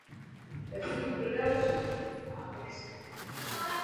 Narodila se v newyorském Harlemu.